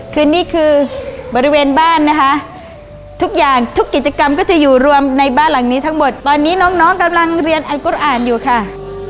คือนี่คือบริเวณบ้านนะคะทุกอย่างทุกกิจกรรมก็จะอยู่รวมในบ้านหลังนี้ทั้งหมดตอนนี้น้องน้องกำลังเรียนอันกุฎอ่านอยู่ค่ะ